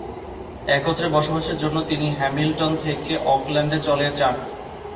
একত্রে বসবাসের জন্য তিনি হ্যামিলটন থেকে অকল্যান্ডে চলে যান।